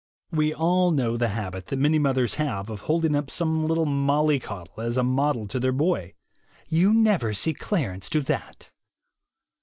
We all know the habit that many mothers have of holding up some little mollycoddle as a model to their boy : "You never see Clarence do that